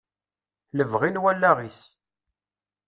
Lebɣi n wallaɣ-is.